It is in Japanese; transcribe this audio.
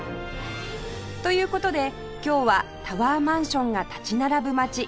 という事で今日はタワーマンションが立ち並ぶ街